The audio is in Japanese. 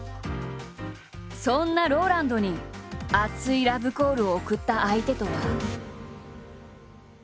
そんなＲＯＬＡＮＤに熱いラブコールを送った相手とは。